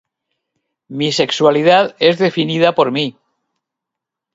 Mi sexualidad es definida por mí.